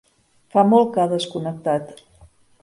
Fa molt que ha desconnectat.